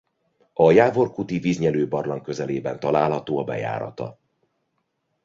A Jávor-kúti-víznyelőbarlang közelében található a bejárata.